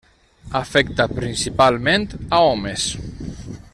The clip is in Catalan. Afecta principalment a homes.